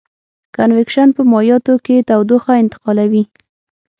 کنویکشن په مایعاتو کې تودوخه انتقالوي.